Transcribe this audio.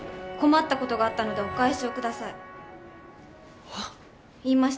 困ったことがあったのでお返しをください。